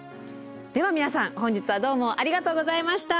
では皆さん本日はどうもありがとうございました。